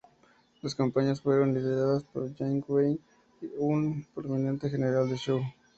Las campañas fueron lideradas por Jiang Wei, un prominente general de Shu.